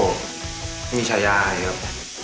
ไม่มีชายายครับ